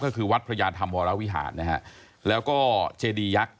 ก็คือวัดพระยาธรรมวรวิหารนะฮะแล้วก็เจดียักษ์